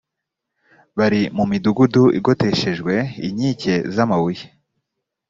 bari mu midugudu igoteshejwe inkike z amabuye